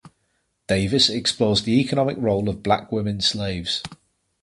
Davis explores the economic role of black women slaves.